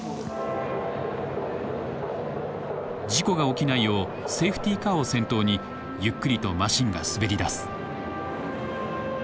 事故が起きないようセーフティーカーを先頭にゆっくりとマシンが滑りだす。